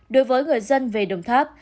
đối với người dân về đồng tháp